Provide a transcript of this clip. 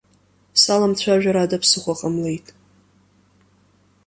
Саламцәажәар ада ԥсыхәа ҟамлеит.